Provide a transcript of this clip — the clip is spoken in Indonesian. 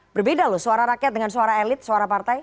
berbeda loh suara rakyat dengan suara elit suara partai